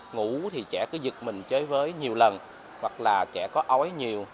ngủ thì trẻ cứ giật mình chơi với nhiều lần hoặc là trẻ có ói nhiều